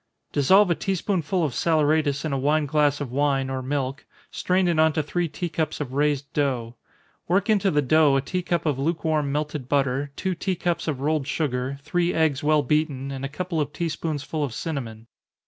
_ Dissolve a tea spoonful of saleratus in a wine glass of wine, or milk strain it on to three tea cups of raised dough. Work into the dough a tea cup of lukewarm melted butter, two tea cups of rolled sugar, three eggs well beaten, and a couple of tea spoonsful of cinnamon.